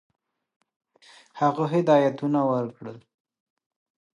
هغه هدایتونه ورکړل.